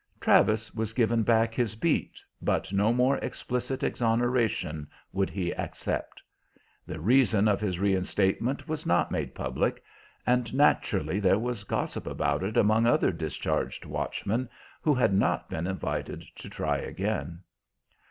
Travis was given back his beat, but no more explicit exoneration would he accept. The reason of his reinstatement was not made public, and naturally there was gossip about it among other discharged watchmen who had not been invited to try again.